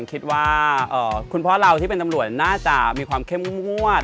คิดว่าคุณพ่อเราที่เป็นตำรวจน่าจะมีความเข้มงวด